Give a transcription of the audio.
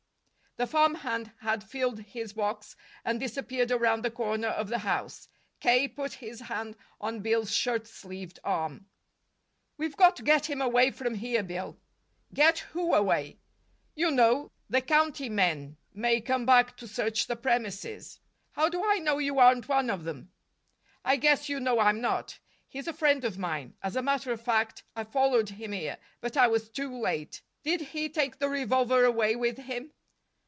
The farmhand had filled his box and disappeared around the corner of the house. K. put his hand on Bill's shirt sleeved arm. "We've got to get him away from here, Bill." "Get who away?" "You know. The county men may come back to search the premises." "How do I know you aren't one of them?" "I guess you know I'm not. He's a friend of mine. As a matter of fact, I followed him here; but I was too late. Did he take the revolver away with him?"